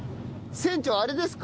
船長あれですか？